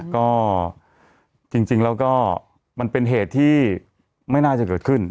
ก็จริงแล้วก็มันเป็นเหตุที่ไม่น่าจะเกิดขึ้น